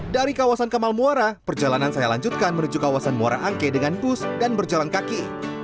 dari kawasan kamal muara perjalanan saya lanjutkan menuju kawasan muara angke dengan bus dan berjalan kaki